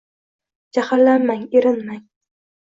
Jahllanmang, erinmang